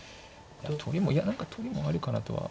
いや何か取りもあるかなとは。